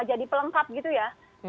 menjadi pelengkap gitu ya